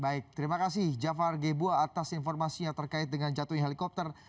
baik terima kasih jafar gebuah atas informasinya terkait dengan jatuhnya helikopter